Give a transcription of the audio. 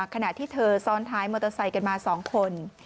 ขณะที่เธอซ้อนท้ายมอเตอร์ไซค์กันมา๒คน